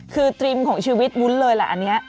คือตรีมของชีวิตวุ้นเลยแหละอันนี้